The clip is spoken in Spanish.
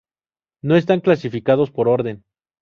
No están clasificados por orden.